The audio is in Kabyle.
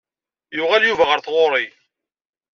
Yuɣal Yuba ɣer tɣuri.